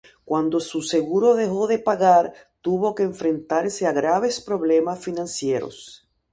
Cuando su seguro dejó de pagar, tuvo que enfrentarse a graves problemas financieros.